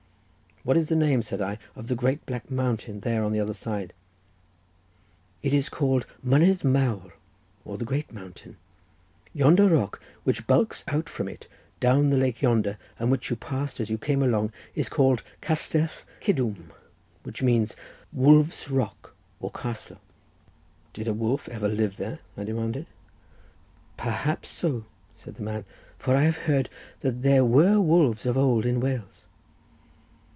"What is the name," said I, "of the great black mountain there on the other side?" "It is called Mynydd Mawr, or the Great Mountain. Yonder rock, which bulks out from it, down the lake yonder, and which you passed as you came along, is called Castell Cidwm, which means Wolf's rock or castle." "Did a wolf ever live there?" I demanded. "Perhaps so," said the man, "for I have heard say that there were wolves of old in Wales."